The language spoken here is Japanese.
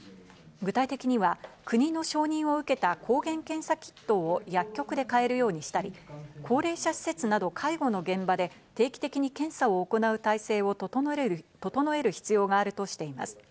具体的には国の承認を受けた抗原検査キットを薬局で買えるようにしたり、高齢者施設など介護の現場で定期的に検査を行う体制を整える必要があるとしています。